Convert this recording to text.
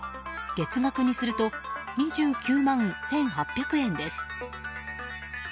月額にすると２９万１８００円です。